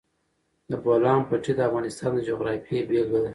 د بولان پټي د افغانستان د جغرافیې بېلګه ده.